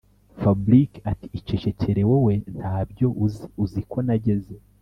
fabric ati’icecekere wowe ntabyo uzi uziko nageze